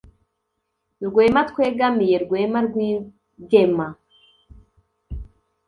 Rwema twegamiye rwema Rwigema